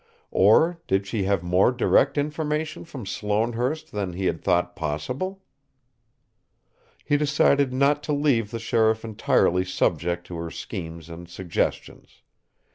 Or did she have more direct information from Sloanehurst than he had thought possible? He decided not to leave the sheriff entirely subject to her schemes and suggestions.